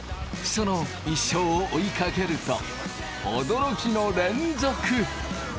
その一生を追いかけると驚きの連続！